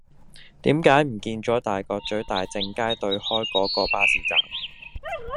點解唔見左大角咀大政街對開嗰個巴士站